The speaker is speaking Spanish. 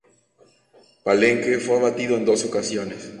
Palenque fue abatido en dos ocasiones.